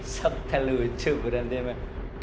suaranya kok kunci pak